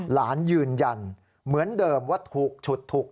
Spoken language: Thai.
หลานยืนยันเหมือนเดิมว่าถูกฉุดถูก